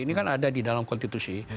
ini kan ada di dalam konstitusi